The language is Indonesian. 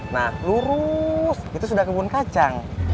nah lurus itu sudah kebun kacang